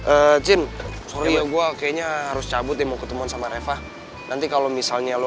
eh jin sorry gua kayaknya harus cabut mau ketemuan sama reva nanti kalau misalnya lo